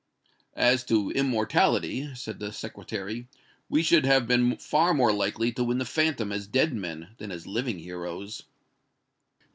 "As to immortality," said the Secretary, "we should have been far more likely to win the phantom as dead men than as living heroes."